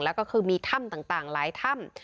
แล้วก็คือมีถ้ำต่างหลายถ้ำ